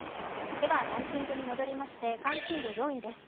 ではランキングに戻りまして関心度４位です。